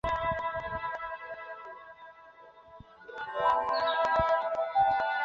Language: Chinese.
中华拟锯齿蛤为贻贝科拟锯齿蛤属的动物。